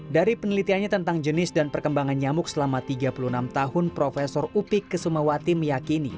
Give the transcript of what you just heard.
dari penelitiannya tentang jenis dan perkembangan nyamuk selama tiga puluh enam tahun prof upik kesumawati meyakini